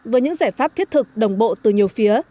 với những giải pháp thiết thực đồng bộ từ nhiều phía